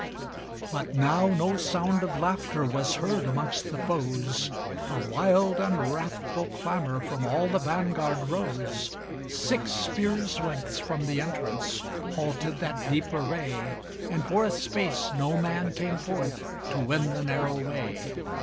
But now no sound of laughter Was heard amongst the foes. A wild and wrathful clamour From all the vanguard rose. Six spears' lengths from the entrance Halted that deep array, And for a space no man came forth To win the narrow way.